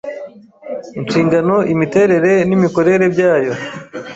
inshingano, imiterere n’imikorere byayo.